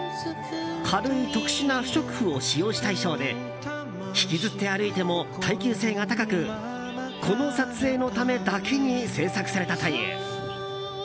軽い特殊な不織布を使用した衣装で引きずって歩いても耐久性が高くこの撮影のためだけに制作されたという。